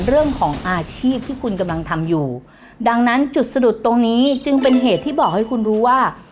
เรื่องของอาชีพที่คุณกำลังทำอยู่ดังนั้นจุดสะดุดตรงนี้จึงเป็นเหตุที่บอกให้คุณรู้ว่า